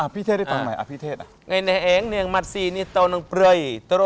พี่เทศได้ฟังใหม่พี่เทศอ่ะ